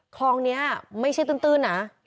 คลองนี้ไม่ใช่ตื้นนะ